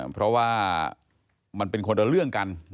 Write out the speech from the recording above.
เพราะว่ามันเป็นคนละเรื่องกัน